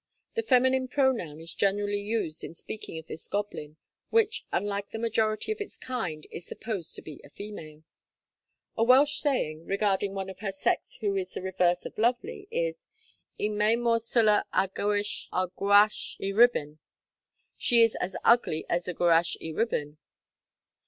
The feminine pronoun is generally used in speaking of this goblin, which unlike the majority of its kind, is supposed to be a female. A Welsh saying, regarding one of her sex who is the reverse of lovely, is, 'Y mae mor salw a Gwrach y Rhibyn,' (She is as ugly as the Gwrach y Rhibyn.)